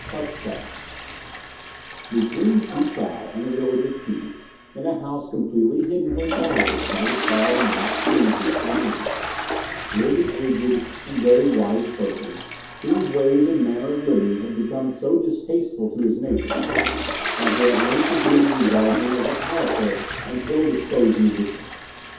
CHAPTER VII Between Si chow and the village of Ki, in a house completely hidden from travellers by the tall and black trees which surrounded it, lived an aged and very wise person whose ways and manner of living had become so distasteful to his neighbours that they at length agreed to regard him as a powerful and ill disposed magician.